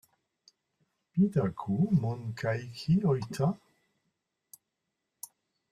Pitääkö mun kaikki hoitaa?